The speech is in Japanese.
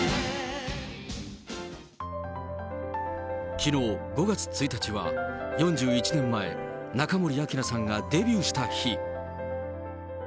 きのう５月１日は、４１年前、中森明菜さんがデビューした日。